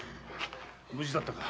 無事だったか。